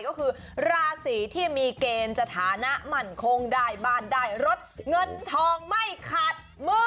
ก็คือราศีที่มีเกณฑ์สถานะมั่นคงได้บ้านได้รถเงินทองไม่ขาดมือ